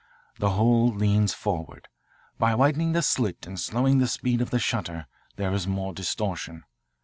The whole leans forward. By widening the slit and slowing the speed of the shutter, there is more distortion.